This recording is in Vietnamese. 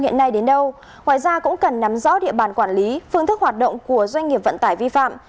hiện nay đến đâu ngoài ra cũng cần nắm rõ địa bàn quản lý phương thức hoạt động của doanh nghiệp vận tải vi phạm